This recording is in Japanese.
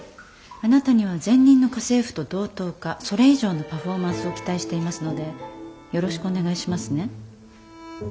あなたには前任の家政婦と同等かそれ以上のパフォーマンスを期待していますのでよろしくお願いしますね。